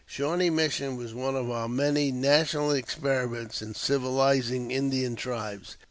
Shawnee Mission was one of our many national experiments in civilizing Indian tribes.